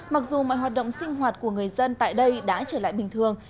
mặc dù mọi hoạt động sinh hoạt của người dân tại đây đã trở lại bình thường